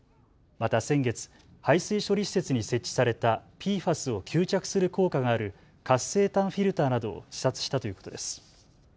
また先月、排水処理施設に設置されたＰＦＡＳを吸着する効果がある活性炭フィルターなどを視察したということです。